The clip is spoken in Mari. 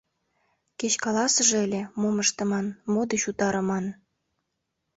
Кеч каласыже ыле, мом ыштыман, мо деч утарыман?